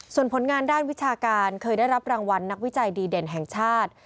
ส่วนผลงานด้านวิชาการเคยได้รับรางวัลนักวิจัยดีเด่นแห่งชาติ